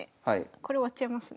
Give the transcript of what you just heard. これ終わっちゃいますね。